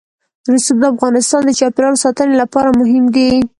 رسوب د افغانستان د چاپیریال ساتنې لپاره مهم دي.